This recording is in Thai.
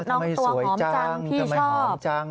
น้องตัวหอมจังพี่ชอบ